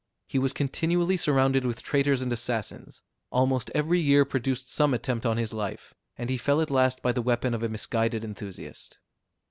He was continually surrounded with traitors and assassins; almost every year produced some attempt on his life, and he fell at last by the weapon of a misguided enthusiast.